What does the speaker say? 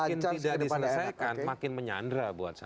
makin tidak diselesaikan makin menyandra buat saya